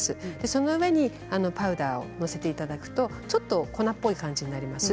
その上に、パウダーを載せていただくとちょっと粉っぽい感じになります。